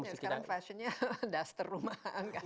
sekarang fashionnya daster rumah